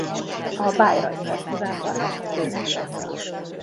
A Bayreuth Fesztivál karmestereinek tagja.